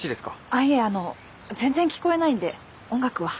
あいえあの全然聞こえないんで音楽は。